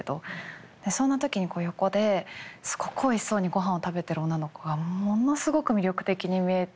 でそんな時にこう横ですごくおいしそうにごはんを食べてる女の子がものすごく魅力的に見えて。